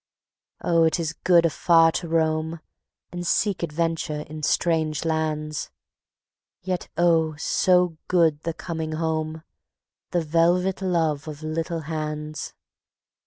Oh, it is good afar to roam, And seek adventure in strange lands; Yet oh, so good the coming home, The velvet love of little hands.